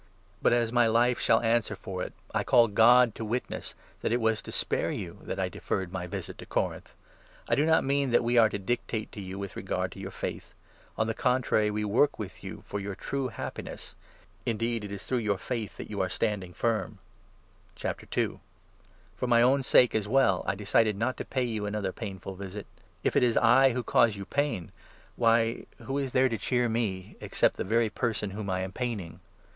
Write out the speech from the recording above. But, as my life shall answer for it, I call God to witness that 23 it was to spare you that I deferred my visit to Corinth. I do 24 not mean that we are to dictate to you with regard to your faith ; on the contrary, we work with you for your true happi ness ; indeed, it is through your faith that you are standing firm. For my own sake, as well, I decided not to pay you I another painful visit. If it is I who cause you pain, why, who 2 is there to cheer me, except the very person whom I am paining?